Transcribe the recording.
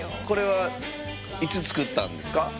これはいつ作ったんですか？